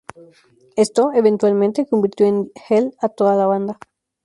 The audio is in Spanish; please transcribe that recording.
Esto, eventualmente, convirtió en heel a toda la banda.